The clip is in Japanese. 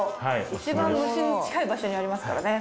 一番虫に近い場所にありますからね